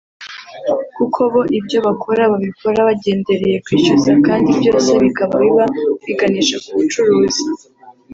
kuko bo ibyo bakora babikora bagendereye kwishyuza kandi byose bikaba biba biganisha kubucuruzi